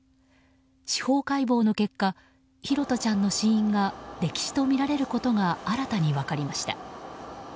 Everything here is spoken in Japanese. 司法解剖の結果拓杜ちゃんの死因は溺死とみられることが新たに分かりました。